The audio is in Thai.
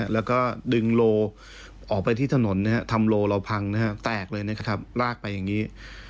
แล้วก็ดึงโลออกไปที่ถนนทำโลเราพังแตกเลยนะครับลากไปอย่างนี้